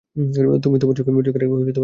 তুমি তোমার চোখ এর আগে কবে চেক করিয়েছ?